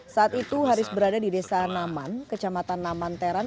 saat itu haris berada di desa naman kecamatan namanteran